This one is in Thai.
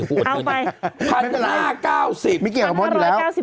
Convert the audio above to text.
เอาไป๑๕๙๐บาทไม่เกี่ยวกับหมดอยู่แล้ว